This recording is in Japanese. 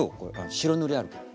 白塗りあるから。